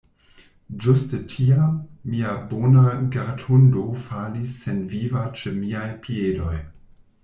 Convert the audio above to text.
Ĝuste tiam, mia bona gardhundo falis senviva ĉe miaj piedoj.